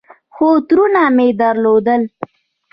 خو ترونه مې درلودل.